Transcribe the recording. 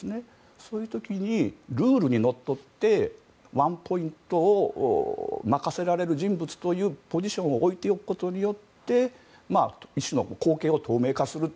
そんな時にルールにのっとってワンポイントを任せられる人物を置いておくことによって一種の後継を透明化する。